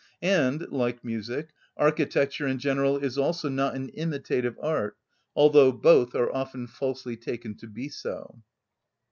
And, like music, architecture in general is also not an imitative art, although both are often falsely taken to be so.